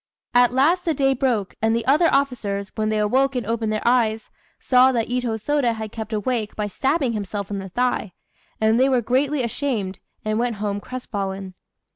At last the day broke, and the other officers, when they awoke and opened their eyes, saw that Itô Sôda had kept awake by stabbing himself in the thigh; and they were greatly ashamed, and went home crestfallen.